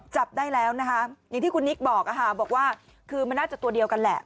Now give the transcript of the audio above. จับได้แล้วนะคะอย่างที่คุณนิกบอกบอกว่าคือมันน่าจะตัวเดียวกันแหละ